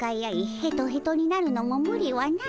ヘトヘトになるのもムリはない。